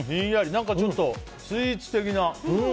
何かちょっとスイーツ的な。